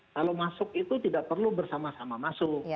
kalau masuk itu tidak perlu bersama sama masuk